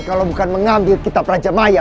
kalau bukan mengambil kitab rajamaya